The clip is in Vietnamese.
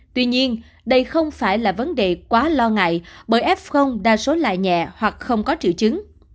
tuy nhiên đây không phải là vấn đề quá lo ngại bởi f đa số lại nhẹ hoặc không có triệu chứng